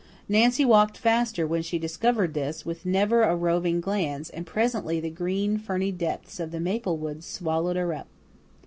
Nancy walked faster when she discovered this, with never a roving glance, and presently the green, ferny depths of the maple woods swallowed her up.